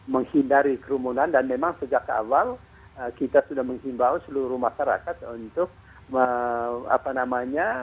menghindari kerumunan dan memang sejak awal kita sudah menghimbau seluruh masyarakat untuk apa namanya